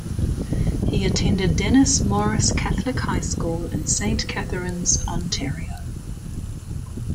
He attended Denis Morris Catholic High School in Saint Catharines, Ontario.